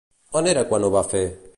On era quan ho va fer?